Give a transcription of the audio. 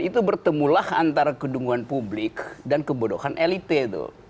itu bertemulah antara kedunguan publik dan kebodohan elite